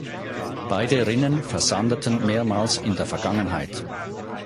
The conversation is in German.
Beide Rinnen versandeten mehrmals in der Vergangenheit.